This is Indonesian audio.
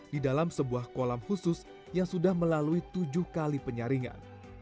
di dalam sebuah kolam khusus yang sudah melalui tujuh kali penyaringan